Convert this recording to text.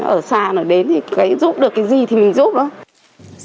ở xa đến giúp được cái gì thì mình giúp